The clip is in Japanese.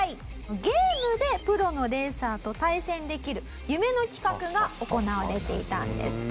ゲームでプロのレーサーと対戦できる夢の企画が行われていたんです。